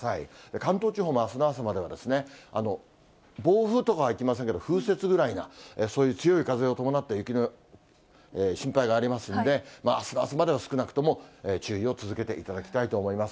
関東地方もあすの朝までは、暴風とかはいきませんけど、風雪ぐらいな、そういう強い風を伴った雪の心配がありますんで、あすの朝までは少なくとも注意を続けていただきたいと思います。